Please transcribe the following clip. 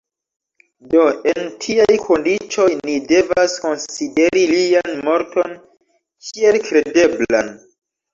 Do en tiaj kondiĉoj ni devas konsideri lian morton kiel kredeblan.